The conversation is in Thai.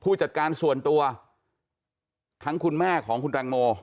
จัดการส่วนตัวทั้งคุณแม่ของคุณแตงโม